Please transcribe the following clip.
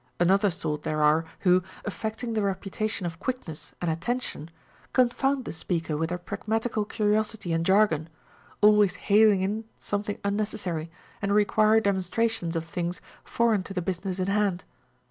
Another sort there are, who, affecting the reputation of quickness and attention, con found the speaker with their pragmatical curiosity and jargon, always haling in something unnecessary and re quiring demonstrations of things foreign to the business in hand.